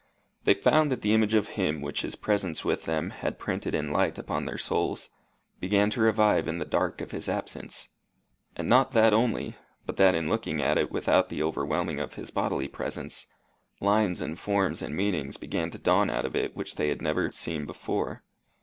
They found that the image of him which his presence with them had printed in light upon their souls, began to revive in the dark of his absence; and not that only, but that in looking at it without the overwhelming of his bodily presence, lines and forms and meanings began to dawn out of it which they had never seen before.